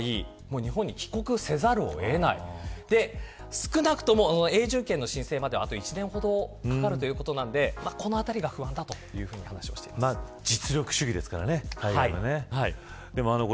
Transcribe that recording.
少なくとも、永住権の申請まであと１年ほどかかるということなのでこのあたりが不安だと実力主義ですからね海外はね。